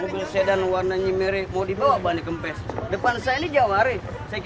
bang beli lemang rasanya enak